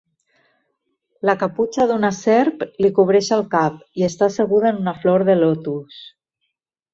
La caputxa d'una serp li cobreix el cap i està asseguda en una flor de lotus.